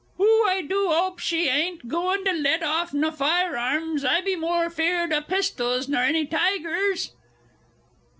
Oh, I do 'ope she bain't gooin' to let off naw fire arms, I be moor fear'd o' pistols nor any tigers....